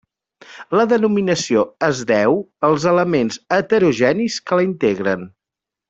La denominació es deu als elements heterogenis que la integren.